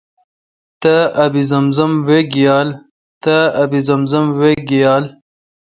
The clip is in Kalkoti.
تا آب زمزم وئ گیال۔